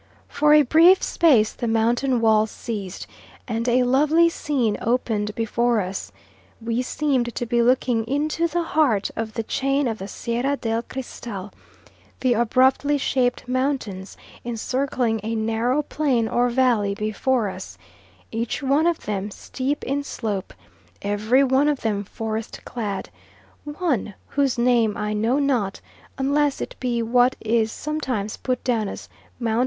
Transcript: For a brief space the mountain wall ceased, and a lovely scene opened before us; we seemed to be looking into the heart of the chain of the Sierra del Cristal, the abruptly shaped mountains encircling a narrow plain or valley before us, each one of them steep in slope, every one of them forest clad; one, whose name I know not unless it be what is sometimes put down as Mt.